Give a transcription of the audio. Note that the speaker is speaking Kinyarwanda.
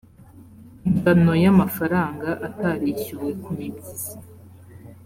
ingano y amafaranga atarishyuwe kumibyizi